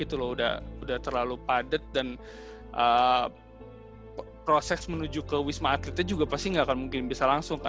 sudah terlalu padat dan proses menuju ke wisma atleta juga pasti tidak akan bisa langsung